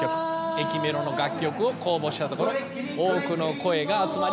駅メロの楽曲を公募したところ多くの声が集まり採用されました。